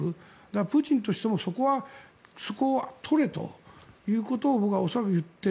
プーチンとしてもそこを取れということを僕は恐らく言っている。